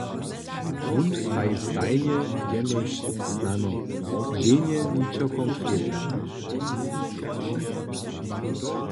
Wón praji stajnje jenož snano, ženje ničo konkretne.